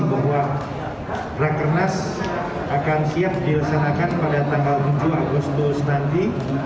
bahwa rakernas akan siap dilaksanakan pada tanggal tujuh agustus nanti